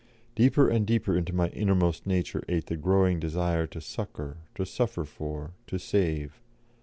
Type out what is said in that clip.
Deeper and deeper into my innermost nature ate the growing desire to succour, to suffer for, to save.